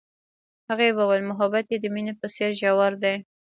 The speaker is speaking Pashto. هغې وویل محبت یې د مینه په څېر ژور دی.